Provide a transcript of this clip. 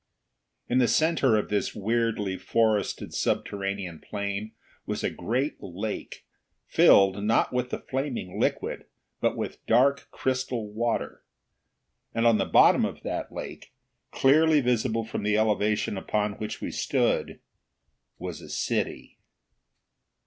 In the center of this weirdly forested subterranean plain was a great lake, filled, not with the flaming liquid, but with dark crystal water. And on the bottom of that lake, clearly visible from the elevation upon which we stood, was a city!